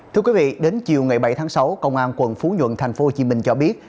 thưa quý vị đến chiều ngày bảy tháng sáu công an quận phú nhuận thành phố hồ chí minh cho biết